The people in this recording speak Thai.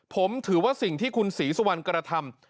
ผมถือว่าสิ่งที่คุณศรีสุวรรณกระทำ